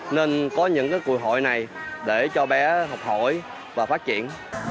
nên có những cơ hội này để cho bé học hỏi và phát triển